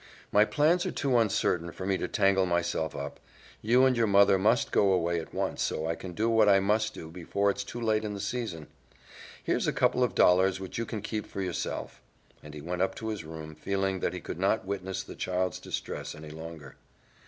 My plans are too uncertain for me to tangle myself up. You and your mother must go away at once, so I can do what I must do before it's too late in the season. Here's a couple of dollars which you can keep for yourself," and he went up to his room, feeling that he could not witness the child's distress any longer.